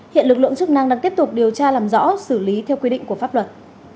hiện lực lượng chức năng đang tiếp tục điều tra làm rõ xử lý theo quy định của pháp luật